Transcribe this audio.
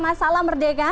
mas salam merdeka